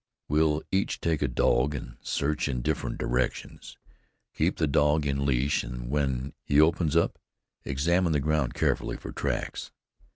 We'll each take a dog and search in different directions. Keep the dog in leash, and when he opens up, examine the ground carefully for tracks.